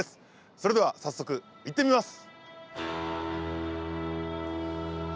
それでは早速行ってみます。